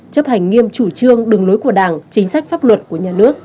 chấp hành nghiêm chủ trương đường lối của đảng chính sách pháp luật của nhà nước